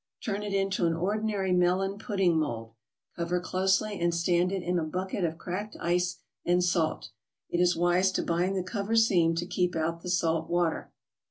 Turn it into an ordinary melon pudding mold, cover closely and stand it in a bucket of cracked ice and salt. It is wise to bind the cover seam to keep out the salt water.